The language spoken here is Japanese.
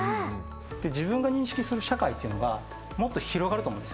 で自分が認識する社会というのがもっと広がると思うんですよね。